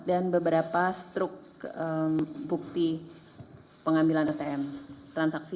dan beberapa struk bukti pengambilan atm transaksi